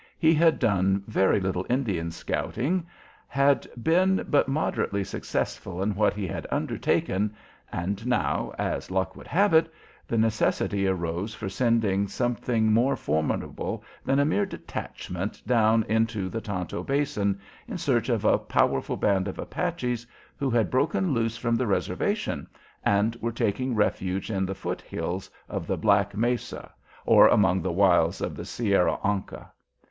He had done very little Indian scouting, had been but moderately successful in what he had undertaken, and now, as luck would have it, the necessity arose for sending something more formidable than a mere detachment down into the Tonto Basin, in search of a powerful band of Apaches who had broken loose from the reservation and were taking refuge in the foot hills of the Black Mesa or among the wilds of the Sierra Ancha.